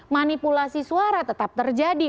manipulasi suara tetap terjadi